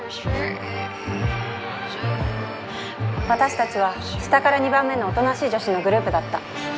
私たちは下から二番目の「大人しい女子」のグループだった。